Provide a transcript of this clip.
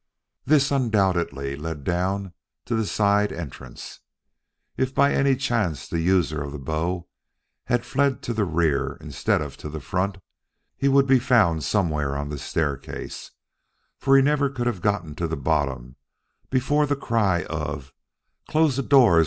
This undoubtedly led down to the side entrance. If by any chance the user of the bow had fled to the rear instead of to the front, he would be found somewhere on this staircase, for he never could have got to the bottom before the cry of "Close the doors!